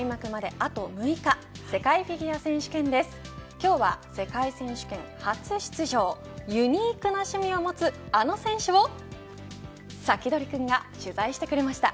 今日は世界選手権初出場ユニークな趣味を持つあの選手をサキドリくんが取材してくれました。